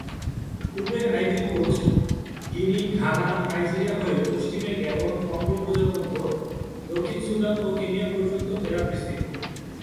পূর্বে Ivory Coast, Guinea, Ghana, Nigeria হয়ে পশ্চিমে গ্যাবন, কঙ্গো প্রজাতন্ত্র, দক্ষিণ সুদান ও কেনিয়া পর্যন্ত এরা বিস্তৃত।